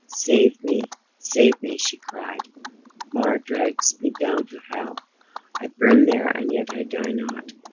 "Save me! save me!" cried she. "Mar drags me down to hell; I burn there, and yet I die not!"